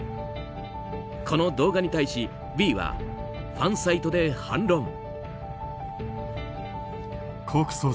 この動画に対しＶはファンサイトで反論。